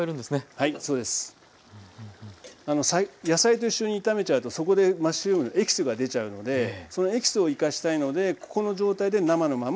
はいそうです。野菜と一緒に炒めちゃうとそこでマッシュルームのエキスが出ちゃうのでそのエキスを生かしたいのでここの状態で生のまま入れていきます。